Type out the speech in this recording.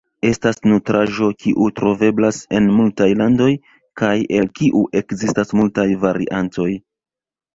Estas nutraĵo kiu troveblas en multaj landoj, kaj el kiu ekzistas multaj variantoj.